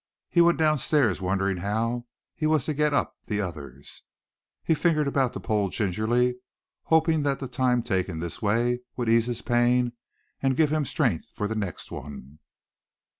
He went down stairs wondering how he was to get up the others. He fingered about the pole gingerly hoping that the time taken this way would ease his pain and give him strength for the next one.